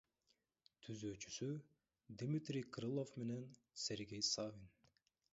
Түзүүчүсү — Дмитрий Крылов менен Сергей Савин.